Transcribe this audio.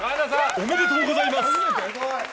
おめでとうございます。